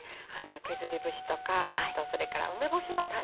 削り節とかあとそれから梅干しの種ね。